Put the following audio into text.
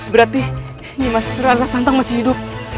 berarti nimas rara santang masih hidup